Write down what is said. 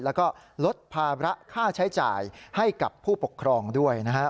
แล้วก็ลดภาระค่าใช้จ่ายให้กับผู้ปกครองด้วยนะฮะ